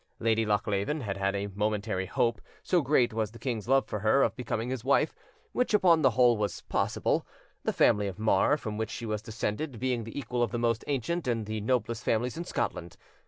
Lady Lochleven had had a momentary hope, so great was the king's love for her, of becoming his wife, which upon the whole was possible, the family of Mar, from which she was descended, being the equal of the most ancient and the noblest families in Scotland.